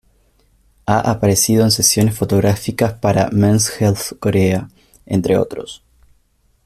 Ha aparecido en sesiones fotográficas para "Mens Health Korea", entre otros...